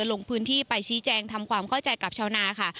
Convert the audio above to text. ลงพื้นที่ไปชี้แจงทำความเข้าใจกับชาวนาค่ะ